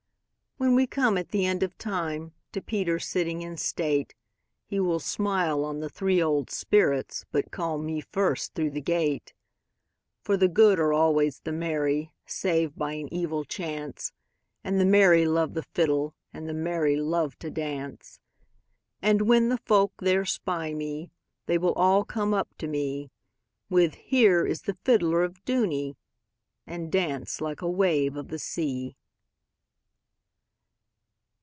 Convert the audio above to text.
When we come at the end of time, To Peter sitting in state, He will smile on the three old spirits, But call me first through the gate; For the good are always the merry, Save by an evil chance, And the merry love the fiddleAnd the merry love to dance:And when the folk there spy me, They will all come up to me, With 'Here is the fiddler of Dooney!'And dance like a wave of the sea.